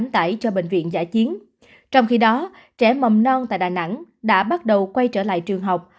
trong khi đó trẻ mầm non tại đà nẵng đã bắt đầu quay trở lại trường học